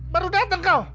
baru dateng kau